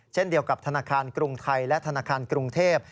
เช่นเดียวกับธนาคารกรุงไทยและธนาคารกรุงเทพ